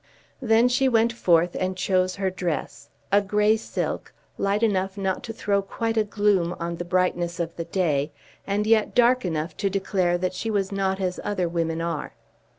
Then she went forth and chose her dress, a grey silk, light enough not to throw quite a gloom on the brightness of the day, and yet dark enough to declare that she was not as other women are.